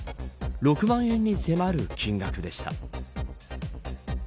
６万円に迫る金額でした。